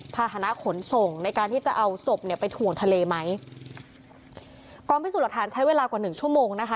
ภาษณะขนส่งในการที่จะเอาศพเนี่ยไปถ่วงทะเลไหมกองพิสูจน์หลักฐานใช้เวลากว่าหนึ่งชั่วโมงนะคะ